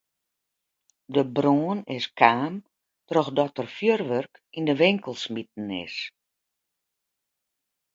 De brân is kaam trochdat der fjurwurk yn de winkel smiten is.